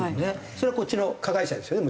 それはこっちの加害者ですよね？